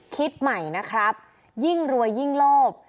คิดใหม่นะครับยิ่งรวยยิ่งโลภ